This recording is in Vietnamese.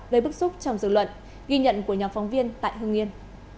gây bức xúc trong dự luận ghi nhận của nhóm phóng viên tại hương yên